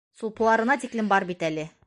Сулпыларына тиклем бар бит әле!